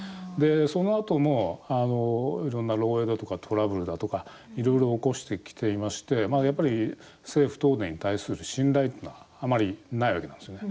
そのあとも、いろんな漏えいだとかトラブルだとかいろいろ起こしてきていましてやっぱり政府・東電に対する信頼っていうのはあまりないわけなんですよね。